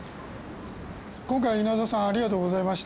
今回稲田さんありがとうございました。